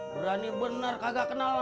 berani bener kagak kenal sama gue apa